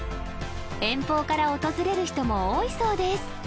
遠方から訪れる人も多いそうです